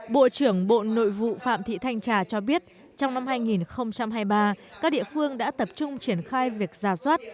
bộ trưởng bộ nội vụ phạm thị thanh trà cho biết trong năm hai nghìn hai mươi ba các địa phương đã tập trung triển khai việc giả soát